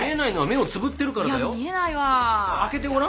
開けてごらん。